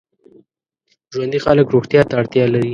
ژوندي خلک روغتیا ته اړتیا لري